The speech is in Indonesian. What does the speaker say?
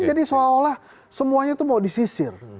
jadi seolah olah semuanya itu mau disisir